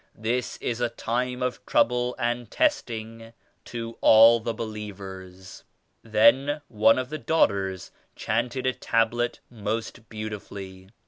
This is a time of trouble and testing to all the believers." Then one of the daughters chanted a Tablet most beautifully.